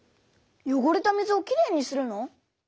よごれた水をきれいにするの？